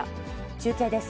中継です。